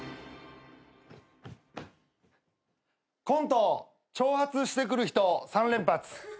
コント挑発してくる人３連発。